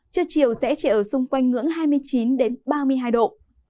trưa chiều sẽ chỉ ở xung quanh ngưỡng hai mươi chín ba mươi hai độ